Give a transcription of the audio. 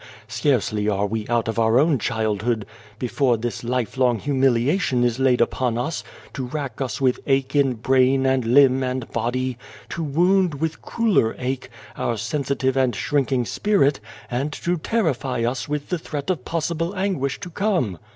Scarcely are we out of our own childhood before this life long humiliation is laid upon us, to rack us with ache in brain and limb and body; to wound, with crueller ache, our sensitive and shrinking 257 s A World spirit, and to terrify us with the threat of possible anguish to come.